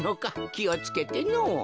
きをつけてのぉ。